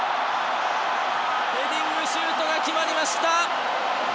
ヘディングシュートが決まりました。